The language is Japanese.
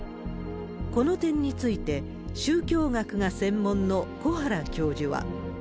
この点について、宗教学が専門の小原教授は。